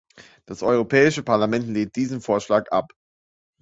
Das Europäische Parlament lehnt diesen Vorschlag ab.